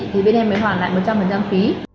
thì bên em mới hoàn lại một trăm linh phí